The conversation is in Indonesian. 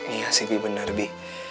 iya sih bi bener bi